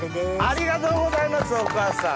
ありがとうございますお母さん。